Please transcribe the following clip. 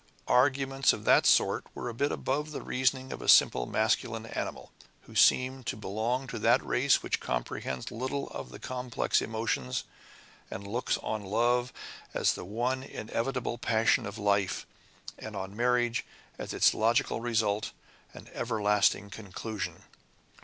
Arguments of that sort were a bit above the reasoning of the simple masculine animal, who seemed to belong to that race which comprehends little of the complex emotions, and looks on love as the one inevitable passion of life, and on marriage as its logical result and everlasting conclusion.